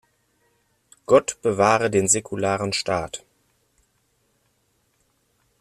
Gott bewahre den säkularen Staat!